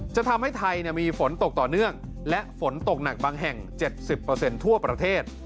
จะทำให้ไทยมีฝนตกต่อเนื่องและฝนตกหนักบางแห่ง๗๐ทั่วประเทศ